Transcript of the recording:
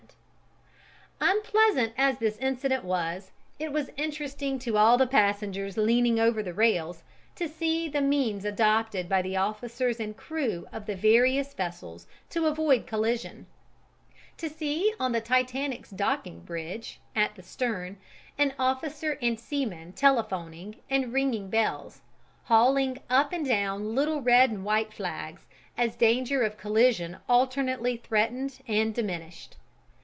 [Illustration: FOUR DECKS OF OLYMPIC, SISTER SHIP OF TITANIC] Unpleasant as this incident was, it was interesting to all the passengers leaning over the rails to see the means adopted by the officers and crew of the various vessels to avoid collision, to see on the Titanic's docking bridge (at the stern) an officer and seamen telephoning and ringing bells, hauling up and down little red and white flags, as danger of collision alternately threatened and diminished.